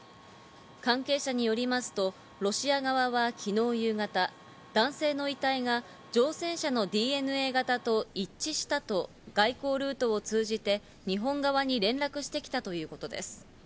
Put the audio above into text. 関係者によりますと、ロシア側は昨日夕方、男性の遺体が乗船者のＤＮＡ型と一致したと、外交ルートを通じて日本側に連絡してきたということです。